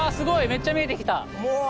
めっちゃ見えて来た。